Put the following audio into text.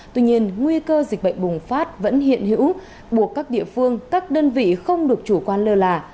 tuy nhiên nguy cơ dịch bệnh bùng phát vẫn hiện hữu buộc các địa phương các đơn vị không được chủ quan lơ là